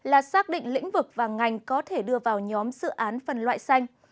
khi xây dựng danh mục phân loại xanh là xác định lĩnh vực và ngành có thể đưa vào nhóm dự án phân loại xanh